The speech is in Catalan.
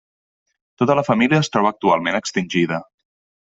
Tota la família es troba actualment extingida.